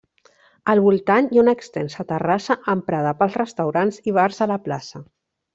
Al voltant, hi ha una extensa terrassa emprada pels restaurants i bars de la plaça.